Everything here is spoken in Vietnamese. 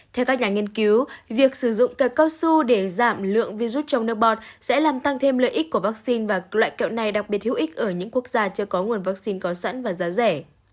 theo các nhà nghiên cứu việc sử dụng cài cao su để giảm lượng virus trong nước bọt sẽ làm tăng thêm lợi ích của vaccine và loại kẹo này đặc biệt hữu ích ở những quốc gia chưa có nguồn vaccine có sẵn và giá rẻ